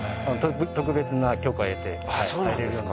特別な許可得て入れるように。